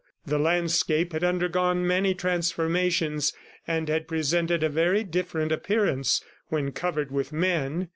The landscape had undergone many transformations and had presented a very different appearance when covered with men.